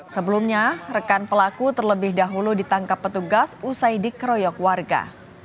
sebelumnya rekan pelaku terlebih dahulu ditangkap petugas usai dikeroyok warga